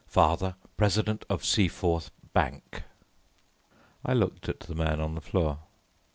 Father, President of Seaforth Bank." I looked at the man on the floor.